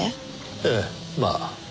ええまあ。